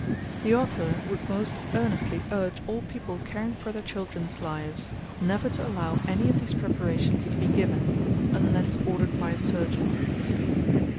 The author would most earnestly urge all people caring for their children's lives, never to allow any of these preparations to be given, unless ordered by a surgeon.